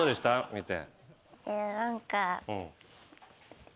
見て。